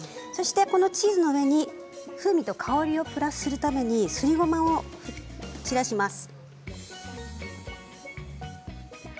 チーズの上に風味と香りをプラスするためにすりごまを散らします。